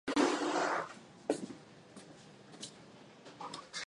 パソコン